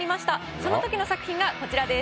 そのときの作品がこちらです。